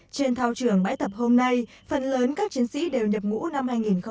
trên thao trường bãi tập hôm nay phần lớn các chiến sĩ đều nhập ngũ năm hai nghìn một mươi chín